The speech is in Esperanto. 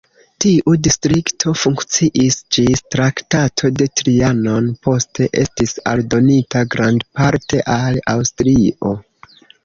Tiu distrikto funkciis ĝis Traktato de Trianon, poste estis aldonita grandparte al Aŭstrio.